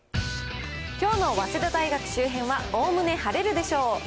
きょうの早稲田大学周辺は、おおむね晴れるでしょう。